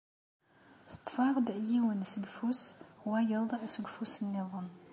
Teṭṭef-aɣ-d yiwen seg ufus, wayeḍ seg ufus nniḍen.